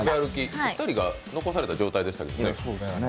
２人が残された状態でしたね。